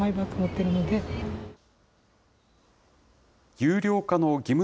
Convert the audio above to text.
有料化の義務